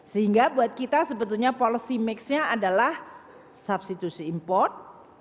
sehingga buat kita sebetulnya policy mix nya adalah substitusi import